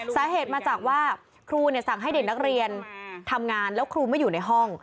สาเหตุมาจากว่าครูสั่งให้เด็กนักเรียนทำงานแล้วครูไม่อยู่ในห้อง